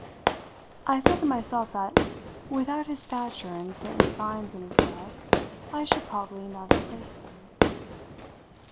I said to myself that, without his stature and certain signs in his dress, I should probably not have placed him.